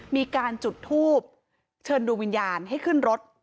มีการจุดทูบเชิญดวงวิญญาณให้ขึ้นรถ